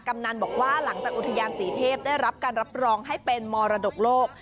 กำนันบอกว่าหลังจากอุทยานศรีเทพได้รับการรับรองให้เป็นมรดกโลก